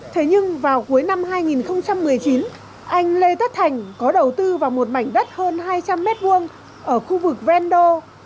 thế nhưng vào cuối năm hai nghìn một mươi chín anh lê tất thành có đầu tư vào một mảnh đất hơn hai trăm linh m hai ở khu vực vendô